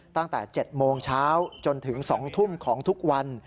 ตั้งแต่๗โมงเช้าจนถึง๒ทุ่มของทุกวัน